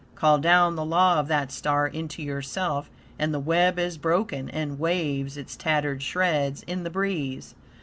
Call down the law of that star into yourself, and the web is broken and waves its tattered shreds in the breeze.